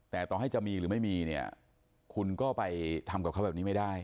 แต่ต่อให้จะมีหรือไม่มีเนี่ยคุณก็ไปทำกับเขาแบบนี้ไม่ได้